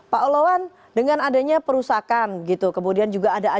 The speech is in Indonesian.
pak olawan dengan adanya perusakan gitu kemudian juga ada ancaman